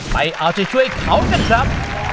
ไปเอาใจช่วยเขากันครับ